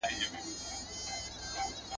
• څې کوې، چي نې کوې.